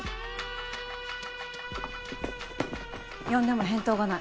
呼んでも返答がない。